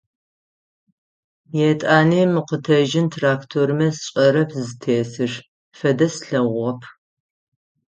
Етӏани мыкъутэжьын трактормэ сшӏэрэп зытесыр, фэдэ слъэгъугъэп.